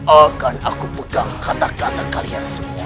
akan aku pegang kata kata kalian semua